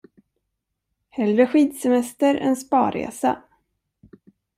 Hellre skidsemester än spa-resa.